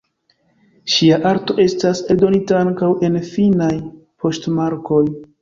Ŝia arto estas eldonita ankaŭ en finnaj poŝtmarkoj.